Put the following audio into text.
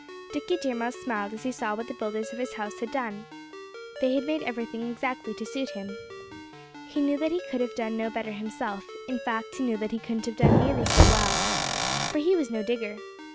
Dickie Deer Mouse smiled as he saw what the builders of his house had done. They had made everything exactly to suit him. He knew that he could have done no better himself; in fact he knew that he couldn't have done nearly so well. For he was no digger.